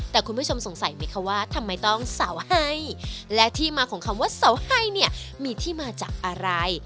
แต่คุณผู้ชมสงสัยไหมคะว่าทำไมต้องเสาให้และที่มาของคำว่าเสาให้เนี่ยมีที่มาจากอะไร